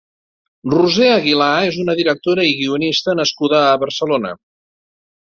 Roser Aguilar és una directora i guionista nascuda a Barcelona.